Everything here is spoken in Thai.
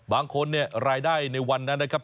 บางคนเนี่ยรายได้ในวันนั้นนะครับ